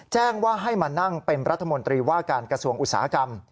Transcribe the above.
แจ้งว่าให้มานั่งเป็นรัฐมนตรีว่าการกระทรวงอุตสาหกรรม